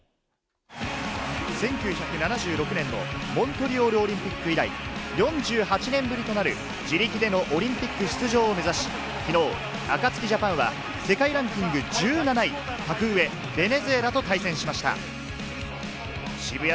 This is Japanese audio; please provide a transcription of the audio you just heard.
１９７６年のモントリオールオリンピック以来、４８年ぶりとなる自力でのオリンピック出場を目指し、きのうＡＫＡＴＳＵＫＩＪＡＰＡＮは世界ランキング１７位、格上・ベネズエラと対戦しました。